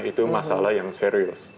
itu masalah yang serius